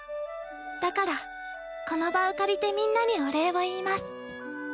だからこの場を借りてみんなにお礼を言います。